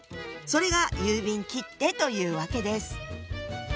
それが郵便切手というわけです。